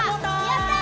やった！